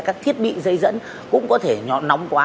các thiết bị dây dẫn cũng có thể nhóm nóng quá